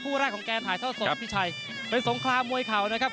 แรกของแกถ่ายเท่าสดพี่ชัยเป็นสงครามมวยเข่านะครับ